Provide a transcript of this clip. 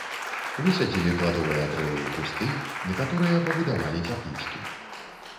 Высадзілі пладовыя дрэвы і кусты, некаторыя пабудавалі цяплічкі.